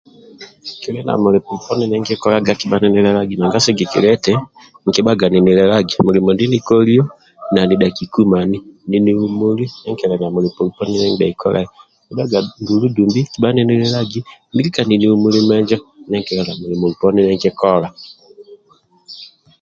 Kili na mulimo ndie nkikolaga kabha ninilelagi mulimo ndie nikolio nanidhakiku mani ninihumuli ndie kili na mulimo uponi ndie nigbei kolai akidhuaga ndulu dumbi kabha ninilelagi nilika ninihumuli ndie kili na mulimo uponi ndie nkikola